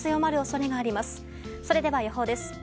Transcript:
それでは予報です。